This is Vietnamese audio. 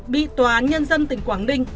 bị tòa án nhân dân tỉnh quảng ninh